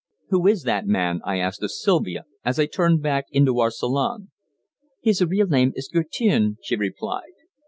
"Who is that man?" I asked of Sylvia, as I turned back into our salon. "His real name is Guertin," she replied.